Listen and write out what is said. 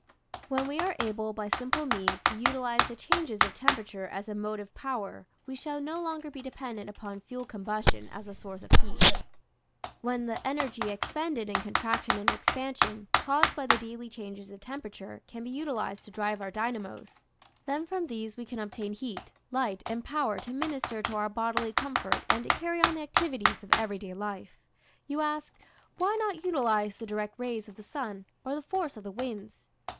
When we are able by simple means to utilize the changes of temperature as a motive power we shall no longer be dependent upon fuel combustion as a source of heat. When the / I . Original from UNIVERSITY OF WISCONSIN 164 nature's flSfracles. energy expended in contraction and expansion, caused by the daily changes of temperature, can be utilized to drive our dynamos, then from these we can obtain heat, light, and power to minister to our bodily comfort and to carry on the activities of every day life. You ask, Why not utilize the direct rays of the sun, or the force of the winds?